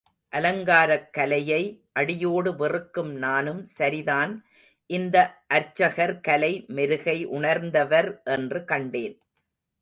அலங்காரக் கலையை அடியோடு வெறுக்கும் நானும், சரிதான் இந்த அர்ச்சகர் கலை மெருகை உணர்ந்தவர் என்று கண்டேன்.